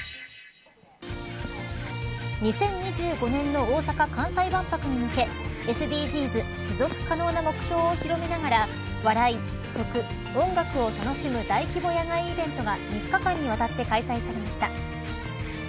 ２０２５年の大阪・関西万博に向けＳＤＧｓ持続可能な目標を広げながら笑い・食・音楽を楽しむ大規模野外イベントが３日間にわたって開催されました。